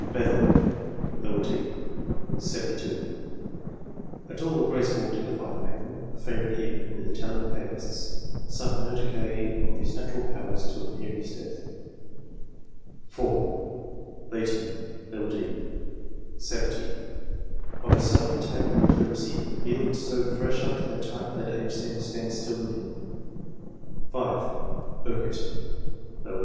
Bedell, d, set. 72 ; a tall, graceful, dignified man ; a favourite even with Italian papists ; suffered no decay of his natural powers till near his death. 4. Leigh ton, d. set. 70 of a sudden attack of pleurisy. He looked so fresh up to that time DITINES that age seemed to stand still with him. 5. Burkitt, d. aet.